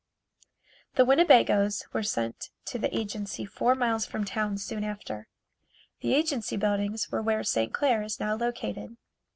The Winnebagoes were sent to the agency four miles from town soon after. The agency buildings were where St. Clair is now located.